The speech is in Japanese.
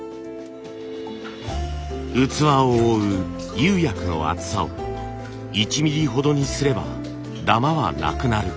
器を覆う釉薬の厚さを１ミリほどにすればダマはなくなる。